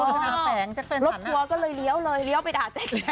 รถทัวร์ก็เลยเลี้ยวเลยเลี้ยวไปด่าแจ๊ก